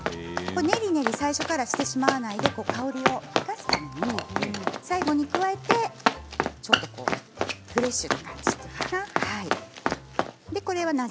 練り練り最初からしてしまわないで香りを生かすために最後に加えてちょっとフレッシュな感じかな。